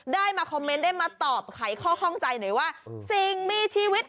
ได้มาคอมเมนต์ได้มาตอบไขข้อข้องใจหน่อยว่าสิ่งมีชีวิต